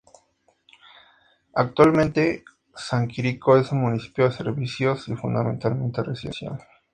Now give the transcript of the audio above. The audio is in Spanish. Actualmente, San Quirico es un municipio de servicios y fundamentalmente residencial.